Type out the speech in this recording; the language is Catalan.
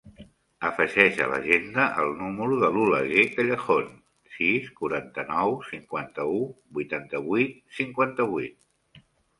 Afegeix a l'agenda el número de l'Oleguer Callejon: sis, quaranta-nou, cinquanta-u, vuitanta-vuit, cinquanta-vuit.